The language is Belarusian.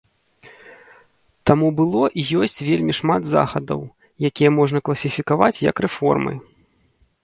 Таму было і ёсць вельмі шмат захадаў, якія можна класіфікаваць як рэформы.